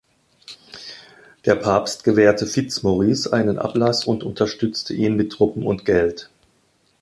Der Papst gewährte Fitzmaurice einen Ablass und unterstützte ihn mit Truppen und Geld.